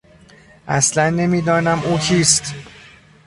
اصلا نمیدانم او کیست.